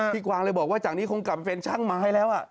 กวางเลยบอกว่าจากนี้คงกลับมาเป็นช่างไม้แล้ว